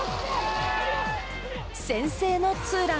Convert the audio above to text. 先制のツーラン。